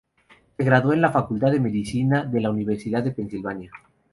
Se graduó en la Facultad de Medicina de la Universidad de Pennsylvania.